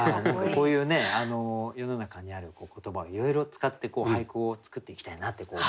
こういうね世の中にある言葉をいろいろ使って俳句を作っていきたいなって。